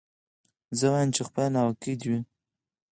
زه وايم چي خپله ناوکۍ دي وي